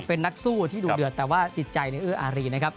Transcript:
เป็นนักสู้ที่ดูเดือดแต่ว่าจิตใจในเอื้ออารีนะครับ